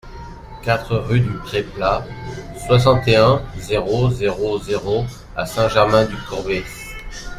quatre rue du Pré Plat, soixante et un, zéro zéro zéro à Saint-Germain-du-Corbéis